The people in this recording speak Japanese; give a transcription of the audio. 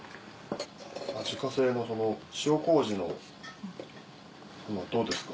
自家製の塩麹のどうですか？